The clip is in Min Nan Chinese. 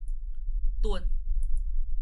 囤